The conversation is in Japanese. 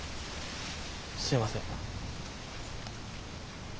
すいません。